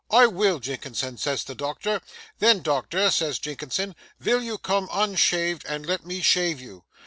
"I will, Jinkinson," says the doctor. "Then, doctor," says Jinkinson, "vill you come unshaved, and let me shave you?"